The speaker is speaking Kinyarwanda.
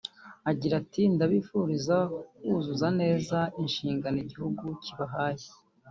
Agira ati “Ndabifuriza kuzuzuza neza inshingano igihugu kibahaye